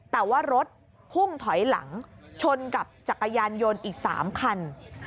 แต่ว่ารถพุ่งถอยหลังชนกับจักรยานยนต์อีก๓คัน